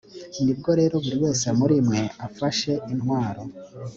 ni bwo rero buri wese muri mwe afashe intwaro